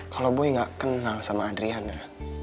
kalau boy nggak kenal sama adriana